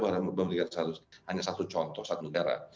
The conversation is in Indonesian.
hanya satu contoh satu negara